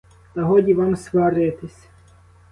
Та годі вам сваритись!